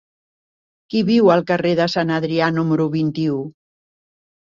Qui viu al carrer de Sant Adrià número vint-i-u?